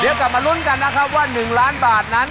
เดี๋ยวกลับมาลุ้นกันนะครับว่า๑ล้านบาทนั้น